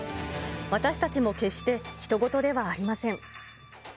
私たちも決してひと事ではありません。